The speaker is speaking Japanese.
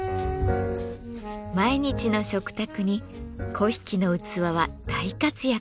毎日の食卓に粉引の器は大活躍。